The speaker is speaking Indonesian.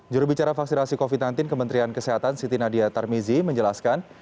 jurubicara vaksinasi covid sembilan belas kementerian kesehatan siti nadia tarmizi menjelaskan